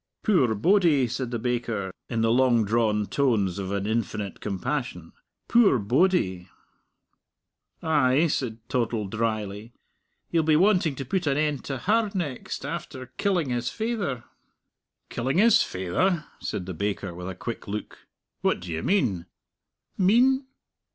"Puir body!" said the baker, in the long drawn tones of an infinite compassion "puir body!" "Ay," said Toddle dryly, "he'll be wanting to put an end to her next, after killing his faither." "Killing his faither?" said the baker, with a quick look. "What do you mean?" "Mean?